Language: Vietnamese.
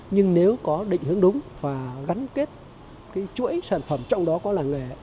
nhưng nếu có định hướng đúng và gắn kết chuỗi sản phẩm trong đó có làng nghề